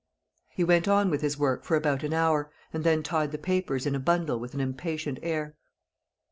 He went on with his work for about an hour, and then tied the papers in a bundle with an impatient air.